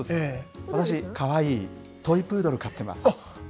私、かわいいトイプードル飼ってます。